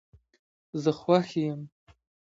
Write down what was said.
زه خوښ یم